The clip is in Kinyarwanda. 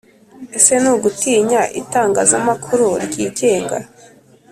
Ese ni ugutinya itangazamakuru ryigenga?